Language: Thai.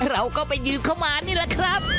เราก็ไปยืมเข้ามานี่แหละครับ